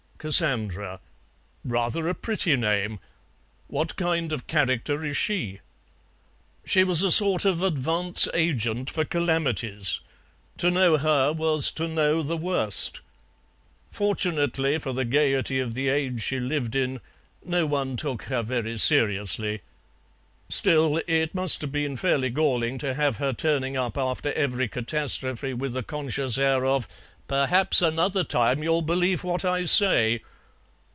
"Cassandra; rather a pretty name. What kind of character is she?" "She was a sort of advance agent for calamities. To know her was to know the worst. Fortunately for the gaiety of the age she lived in, no one took her very seriously. Still, it must have been fairly galling to have her turning up after every catastrophe with a conscious air of 'perhaps another time you'll believe what I say.'"